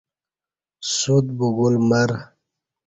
سوت بگول مر